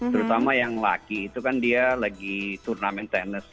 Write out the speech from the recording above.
terutama yang laki itu kan dia lagi turnamen tenis